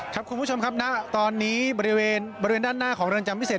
คุณผู้ชมครับณตอนนี้บริเวณด้านหน้าของเรือนจำพิเศษ